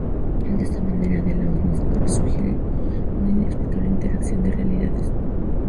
De esta manera, De la Hoz nos sugiere una inexplicable interacción de realidades.